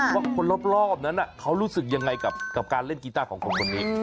ว่าคนรอบนั้นเขารู้สึกยังไงกับการเล่นกีต้าของคนคนนี้